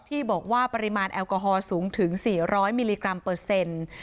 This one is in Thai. ที่บอกว่าปริมาณแอลกอฮอลสูงถึง๔๐๐มิลลิกรัมเปอร์เซ็นต์